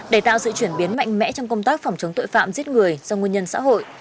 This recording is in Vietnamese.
để tạo sự chuyển biến mạnh mẽ trong công tác phòng chống tội phạm giết người do nguyên nhân xã hội